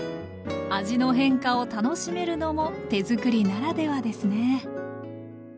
味の変化を楽しめるのも手づくりならではですね